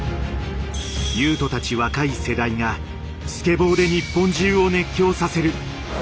雄斗たち若い世代がスケボーで日本中を熱狂させる。